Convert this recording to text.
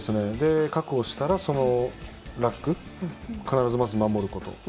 確保したらラックを必ず守ること。